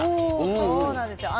そうなんですよ。